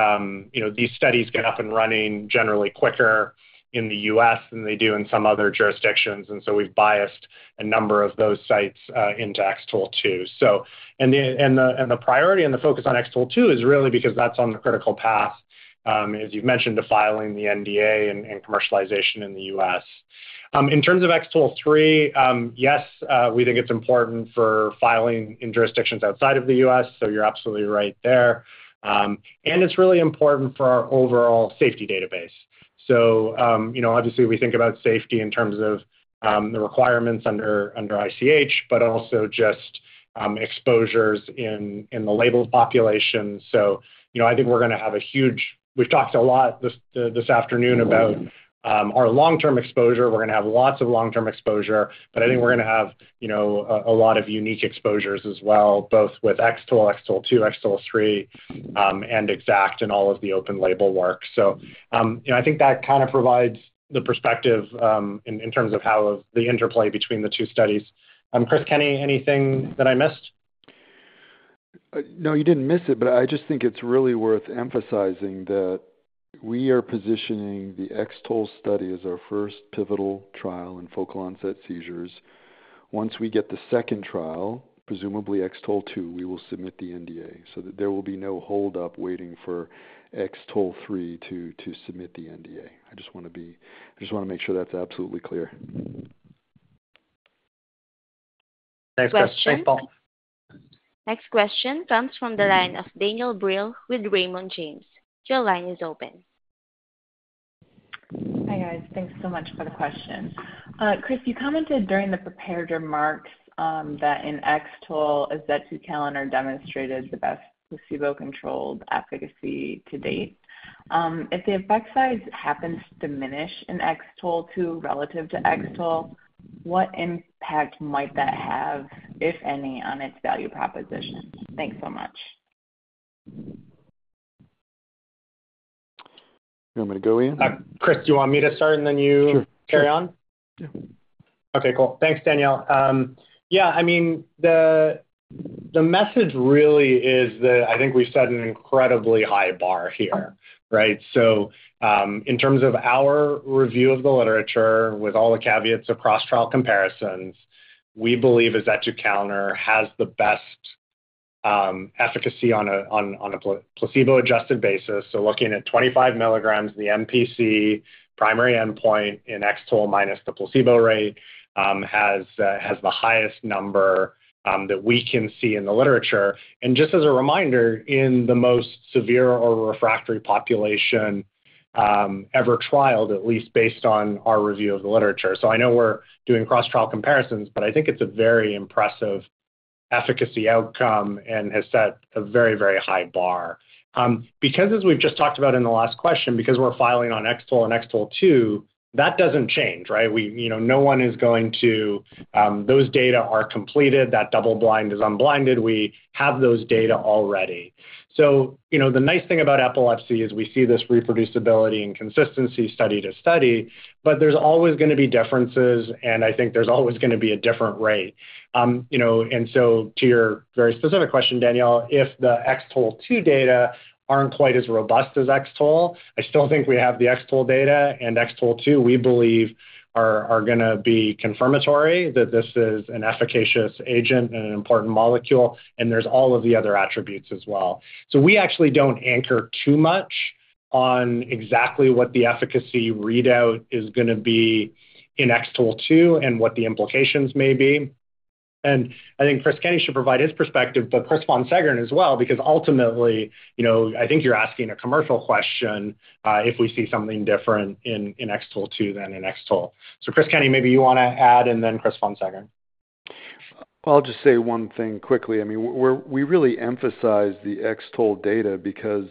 Speaker 4: these studies get up and running generally quicker in the U.S. than they do in some other jurisdictions. And so we've biased a number of those sites into X-TOLE2. And the priority and the focus on X-TOLE2 is really because that's on the critical path, as you've mentioned, to filing the NDA and commercialization in the U.S. In terms of X-TOLE3, yes, we think it's important for filing in jurisdictions outside of the U.S. So you're absolutely right there. And it's really important for our overall safety database. So obviously, we think about safety in terms of the requirements under ICH, but also just exposures in the labeled population. So I think we're going to have a huge. We've talked a lot this afternoon about our long-term exposure. We're going to have lots of long-term exposure, but I think we're going to have a lot of unique exposures as well, both with X-TOLE, X-TOLE2, X-TOLE3, and X-ACKT and all of the open label work. So I think that kind of provides the perspective in terms of how the interplay between the two studies. Chris Kenney, anything that I missed?
Speaker 5: No, you didn't miss it, but I just think it's really worth emphasizing that we are positioning the X-TOLE study as our first pivotal trial in focal onset seizures. Once we get the second trial, presumably X-TOLE2, we will submit the NDA. So there will be no hold-up waiting for X-TOLE3 to submit the NDA. I just want to make sure that's absolutely clear.
Speaker 4: Thanks, Chris. Thanks, Paul.
Speaker 1: Next question comes from the line of Danielle Brill with Raymond James. Your line is open.
Speaker 12: Hi, guys. Thanks so much for the question. Chris, you commented during the prepared remarks that in X-TOLE, azetukalner demonstrated the best placebo-controlled efficacy to date. If the effect size happens to diminish in X-TOLE2 relative to X-TOLE, what impact might that have, if any, on its value proposition? Thanks so much.
Speaker 5: You want me to go in?
Speaker 4: Chris, do you want me to start and then you carry on?
Speaker 5: Sure. Yeah.
Speaker 4: Okay, cool. Thanks, Danielle. Yeah, I mean, the message really is that I think we set an incredibly high bar here, right? So in terms of our review of the literature with all the caveats of cross-trial comparisons, we believe azetukalner has the best efficacy on a placebo-adjusted basis. So looking at 25 milligrams, the MPC primary endpoint in X-TOLE minus the placebo rate has the highest number that we can see in the literature. And just as a reminder, in the most severe or refractory population ever trialed, at least based on our review of the literature. So I know we're doing cross-trial comparisons, but I think it's a very impressive efficacy outcome and has set a very, very high bar. Because, as we've just talked about in the last question, because we're filing on X-TOLE and X-TOLE2, that doesn't change, right? No one is going to. Those data are completed. That double-blind is unblinded. We have those data already. So the nice thing about epilepsy is we see this reproducibility and consistency study to study, but there's always going to be differences, and I think there's always going to be a different rate. And so to your very specific question, Danielle, if the X-TOLE2 data aren't quite as robust as X-TOLE, I still think we have the X-TOLE data, and X-TOLE2, we believe, are going to be confirmatory that this is an efficacious agent and an important molecule, and there's all of the other attributes as well. So we actually don't anchor too much on exactly what the efficacy readout is going to be in X-TOLE2 and what the implications may be. And I think Chris Kenney should provide his perspective, but Chris Von Seggern as well, because ultimately, I think you're asking a commercial question if we see something different in X-TOLE2 than in X-TOLE. So Chris Kenney, maybe you want to add, and then Chris Von Seggern.
Speaker 5: I'll just say one thing quickly. I mean, we really emphasize the X-TOLE data because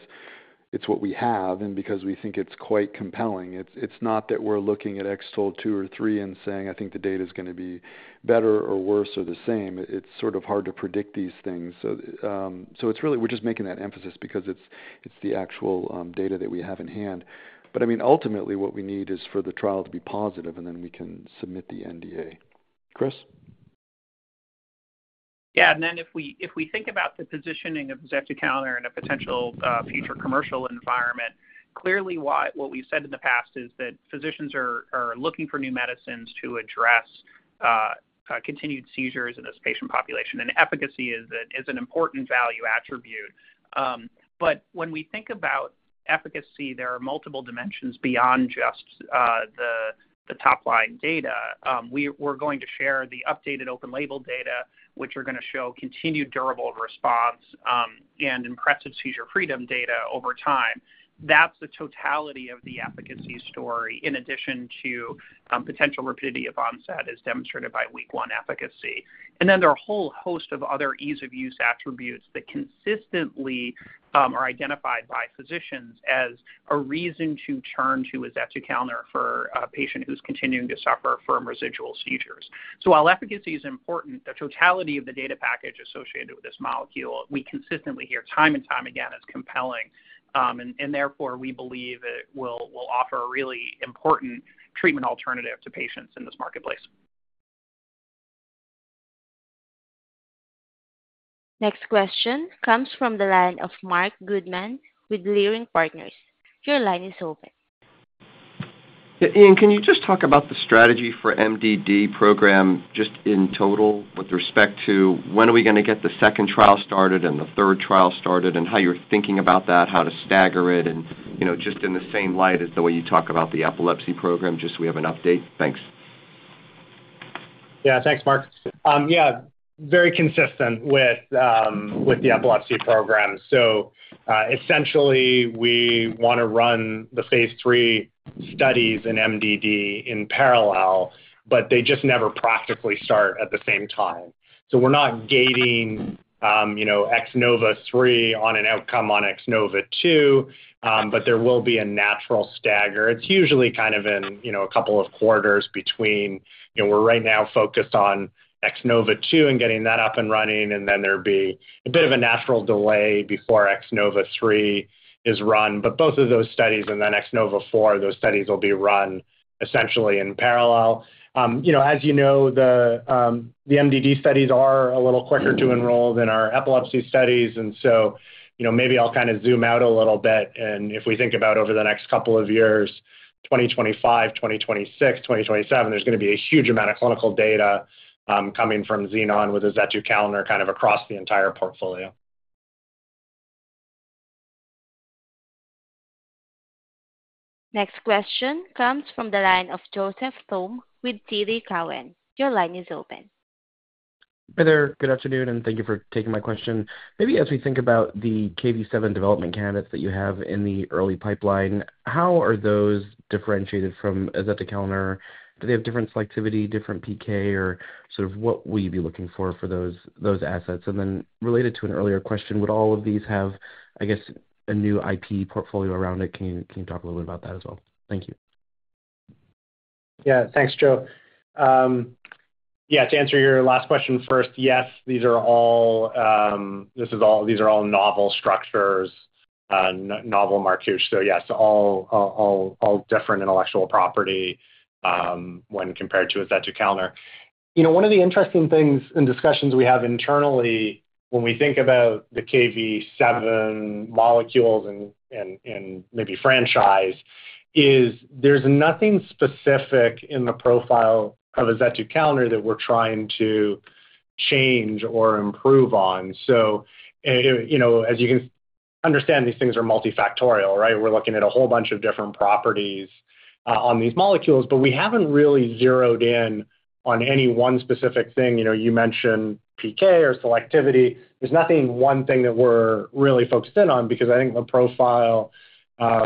Speaker 5: it's what we have and because we think it's quite compelling. It's not that we're looking at X-TOLE2 or 3 and saying, "I think the data is going to be better or worse or the same." It's sort of hard to predict these things. So we're just making that emphasis because it's the actual data that we have in hand. But I mean, ultimately, what we need is for the trial to be positive, and then we can submit the NDA. Chris?
Speaker 8: Yeah. And then if we think about the positioning of azetukalner in a potential future commercial environment, clearly what we've said in the past is that physicians are looking for new medicines to address continued seizures in this patient population. And efficacy is an important value attribute. But when we think about efficacy, there are multiple dimensions beyond just the top-line data. We're going to share the updated open-label data, which are going to show continued durable response and impressive seizure freedom data over time. That's the totality of the efficacy story in addition to potential rapidity of onset as demonstrated by week one efficacy. And then there are a whole host of other ease-of-use attributes that consistently are identified by physicians as a reason to turn to azetukalner for a patient who's continuing to suffer from residual seizures. So while efficacy is important, the totality of the data package associated with this molecule we consistently hear time and time again as compelling. And therefore, we believe it will offer a really important treatment alternative to patients in this marketplace.
Speaker 1: Next question comes from the line of Marc Goodman with Leerink Partners. Your line is open.
Speaker 13: Ian, can you just talk about the strategy for the MDD program just in total with respect to when are we going to get the second trial started and the third trial started and how you're thinking about that, how to stagger it, and just in the same light as the way you talk about the epilepsy program, just so we have an update? Thanks.
Speaker 4: Yeah, thanks, Marc. Yeah, very consistent with the epilepsy program. So essentially, we want to run the phase III studies in MDD in parallel, but they just never practically start at the same time. So we're not gating X-NOVA III on an outcome on X-NOVA II, but there will be a natural stagger. It's usually kind of in a couple of quarters between we're right now focused on X-NOVA II and getting that up and running, and then there'll be a bit of a natural delay before X-NOVA III is run. But both of those studies and then X-NOVA IV, those studies will be run essentially in parallel. As you know, the MDD studies are a little quicker to enroll than our epilepsy studies. And so maybe I'll kind of zoom out a little bit. And if we think about over the next couple of years, 2025, 2026, 2027, there's going to be a huge amount of clinical data coming from Xenon with azetukalner kind of across the entire portfolio.
Speaker 1: Next question comes from the line of Joseph Thome with TD Cowen. Your line is open.
Speaker 14: Hi there. Good afternoon, and thank you for taking my question. Maybe as we think about the Kv7 development candidates that you have in the early pipeline, how are those differentiated from azetukalner? Do they have different selectivity, different PK, or sort of what will you be looking for for those assets? And then related to an earlier question, would all of these have, I guess, a new IP portfolio around it? Can you talk a little bit about that as well? Thank you.
Speaker 4: Yeah, thanks, Joe. Yeah, to answer your last question first, yes, these are all novel structures, novel moieties. So yes, all different intellectual property when compared to azetukalner. One of the interesting things in discussions we have internally when we think about the Kv7 molecules and maybe franchise is there's nothing specific in the profile of azetukalner that we're trying to change or improve on. So as you can understand, these things are multifactorial, right? We're looking at a whole bunch of different properties on these molecules, but we haven't really zeroed in on any one specific thing. You mentioned PK or selectivity. There's not one thing that we're really focused in on because I think the profile, as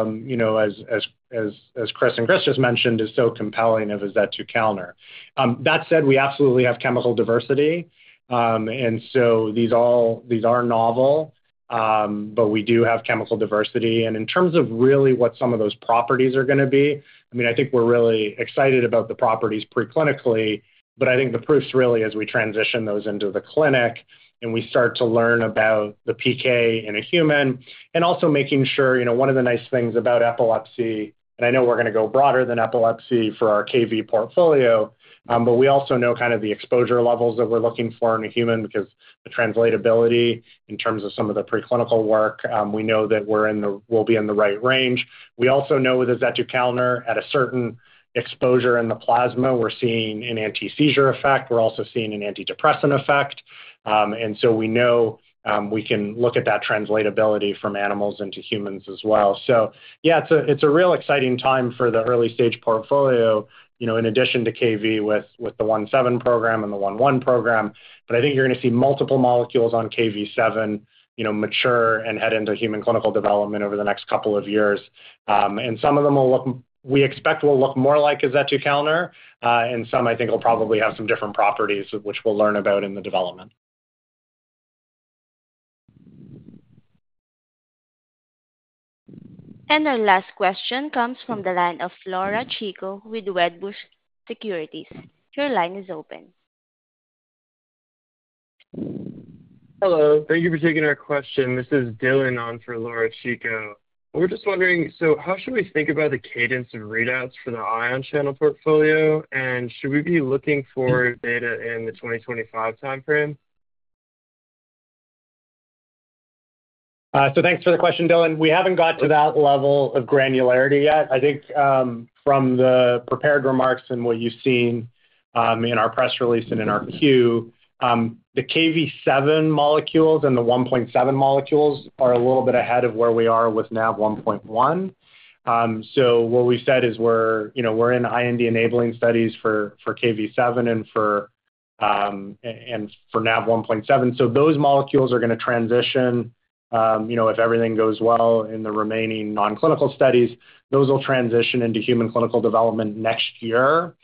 Speaker 4: Chris and Chris just mentioned, is so compelling of azetukalner. That said, we absolutely have chemical diversity. And so these are novel, but we do have chemical diversity. And in terms of really what some of those properties are going to be, I mean, I think we're really excited about the properties preclinically, but I think the proof's really as we transition those into the clinic and we start to learn about the PK in a human and also making sure one of the nice things about epilepsy, and I know we're going to go broader than epilepsy for our KV portfolio, but we also know kind of the exposure levels that we're looking for in a human because the translatability in terms of some of the preclinical work, we know that we'll be in the right range. We also know with azetukalner, at a certain exposure in the plasma, we're seeing an anti-seizure effect. We're also seeing an antidepressant effect. And so we know we can look at that translatability from animals into humans as well. So yeah, it's a real exciting time for the early-stage portfolio in addition to Kv7 with the 1.7 program and the 1.1 program. But I think you're going to see multiple molecules on Kv7 mature and head into human clinical development over the next couple of years. And some of them we expect will look more like azetukalner, and some I think will probably have some different properties, which we'll learn about in the development.
Speaker 1: And our last question comes from the line of Laura Chico with Wedbush Securities. Your line is open. Hello. Thank you for taking our question. This is Dylan on for Laura Chico. We're just wondering, so how should we think about the cadence of readouts for the ion channel portfolio, and should we be looking for data in the 2025 timeframe?
Speaker 4: So thanks for the question, Dylan. We haven't got to that level of granularity yet. I think from the prepared remarks and what you've seen in our press release and in our 10-Q, the Kv7 molecules and the Nav1.7 molecules are a little bit ahead of where we are with Nav1.1. So what we've said is we're in IND enabling studies for Kv7 and for Nav1.7. So those molecules are going to transition if everything goes well in the remaining non-clinical studies, those will transition into human clinical development next year.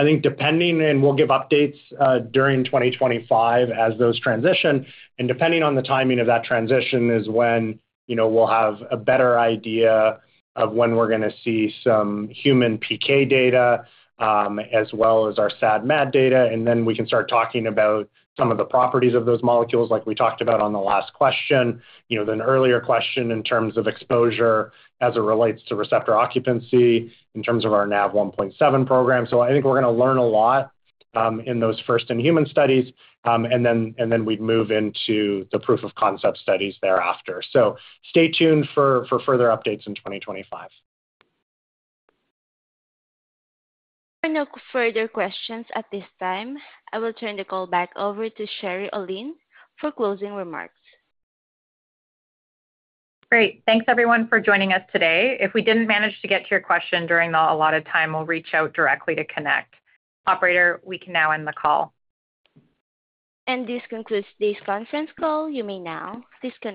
Speaker 4: I think depending, and we'll give updates during 2025 as those transition, and depending on the timing of that transition is when we'll have a better idea of when we're going to see some human PK data as well as our SAD/MAD data. Then we can start talking about some of the properties of those molecules like we talked about on the last question, the earlier question in terms of exposure as it relates to receptor occupancy in terms of our Nav1.7 program. I think we're going to learn a lot in those first-in-human studies, and then we'd move into the proof-of-concept studies thereafter. Stay tuned for further updates in 2025.
Speaker 1: There are no further questions at this time. I will turn the call back over to Sherry Aulin for closing remarks.
Speaker 3: Great. Thanks, everyone, for joining us today. If we didn't manage to get to your question during the allotted time, we'll reach out directly to connect. Operator, we can now end the call.
Speaker 1: This concludes this conference call. You may now disconnect.